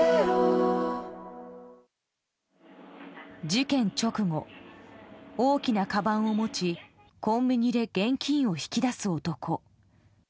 事件直後、大きなかばんを持ちコンビニで現金を引き出す男。